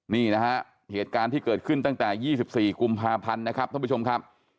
นี่นะฮะเหตุการณ์ที่เกิดขึ้นตั้งแต่๒๔กุมภาพันธ์นะครับท่านผู้ชมครับ